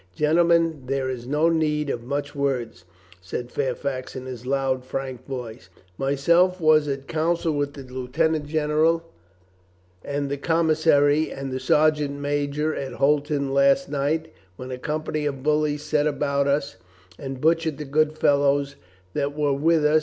"Gentlemen, there is no need of much words," said Fairfax in his loud frank voice. "Myself was 423 424 COLONEL GREATHEART at council with the lieutenant general and the com missary and the sergeant major at Holton last night when a company of bullies set about us and butchered the good fellows that were with us